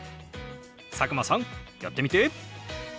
佐久間さんやってみて！